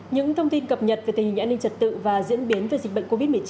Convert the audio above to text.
những thông tin cập nhật về tình hình an ninh trật tự và diễn biến về dịch bệnh covid một mươi chín